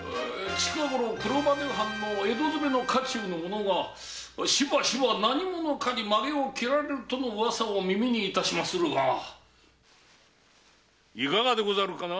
近ごろ黒羽藩の江戸詰の家中の者がしばしば何者かに髷を切られるとの噂を耳にいたしまするがいかがでござるかな？